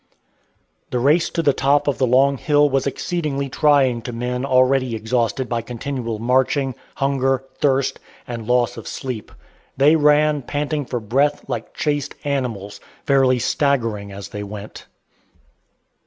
The race to the top of the long hill was exceedingly trying to men already exhausted by continual marching, hunger, thirst, and loss of sleep. They ran, panting for breath, like chased animals, fairly staggering as they went.